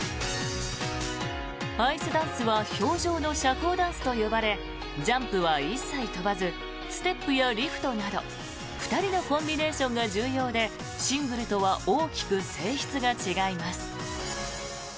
アイスダンスは氷上の社交ダンスと呼ばれジャンプは一切跳ばずステップやリフトなど２人のコンビネーションが重要でシングルとは大きく性質が違います。